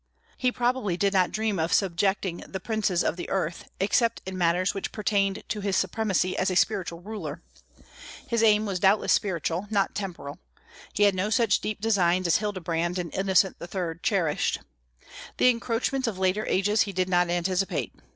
He probably did not dream of subjecting the princes of the earth except in matters which pertained to his supremacy as a spiritual ruler. His aim was doubtless spiritual, not temporal. He had no such deep designs as Hildebrand and Innocent III. cherished. The encroachments of later ages he did not anticipate.